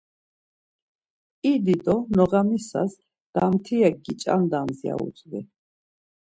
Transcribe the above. İdi do noğamisas damtirek giç̌andams ya utzvi.